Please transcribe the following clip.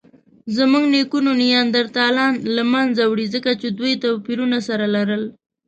زموږ نیکونو نیاندرتالان له منځه وړي؛ ځکه چې دوی توپیرونه سره لرل.